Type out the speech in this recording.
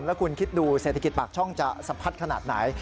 แล้วคุณคิดดูเศรษฐกิจปากช่องจะสะพัดขนาดไหน